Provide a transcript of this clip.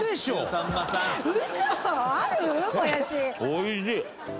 おいしい！